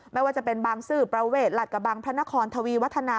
ไม่ว่าจะเป็นบางซื่อประเวทหลัดกระบังพระนครทวีวัฒนา